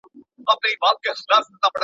زينې د لاس نيوونکي ولري.